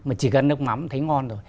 mà chỉ cần nước mắm thấy ngon rồi